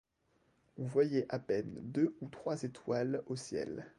On voyait à peine deux ou trois étoiles au ciel.